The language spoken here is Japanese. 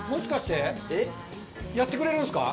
やってくれるんですか？